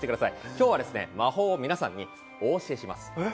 今日は魔法を皆さんにお教えします。